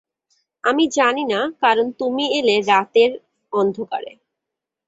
আমি জানি না, কারণ তুমি এলে রাতের অন্ধকারে।